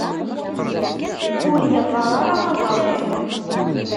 Ur yeɣɣar ara aẓawan.